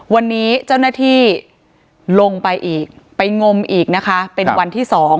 วันนี้เจ้าหน้าที่ลงไปอีกไปงมอีกนะคะเป็นวันที่๒